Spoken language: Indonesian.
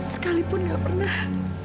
sekalipun tidak pernah